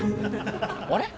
あれ？